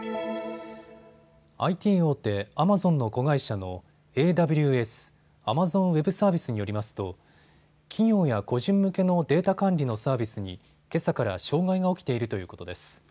ＩＴ大手、アマゾンの子会社のＡＷＳ・アマゾンウェブサービスによりますと企業や個人向けのデータ管理のサービスに、けさから障害が起きているということです。